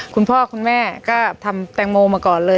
คุณพ่อคุณแม่ก็ทำแตงโมมาก่อนเลย